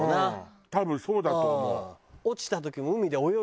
多分そうだと思う。